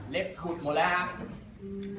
เล็กสุดหมดแล้วครับ